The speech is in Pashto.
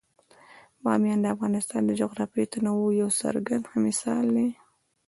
بامیان د افغانستان د جغرافیوي تنوع یو څرګند او ښه مثال دی.